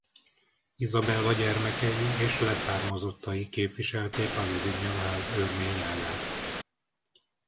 Izabella gyermekei és leszármazottai képviselték a Lusignan-ház örmény ágát.